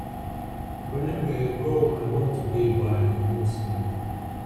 Wherever you go, I want to be by your side.